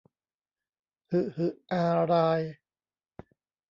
หึหึอาราย